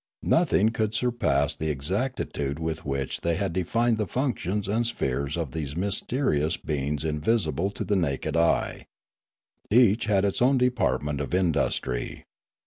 Nothing could surpass the exactitude with which they had defined the functions and spheres of these mys terious beings invisible to the naked eye. Each had its own department of industry.